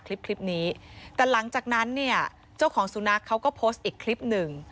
คลิปนี้แต่หลังจากนั้นเนี่ยเจ้าของสุนัขเขาก็โพสต์อีกคลิปหนึ่ง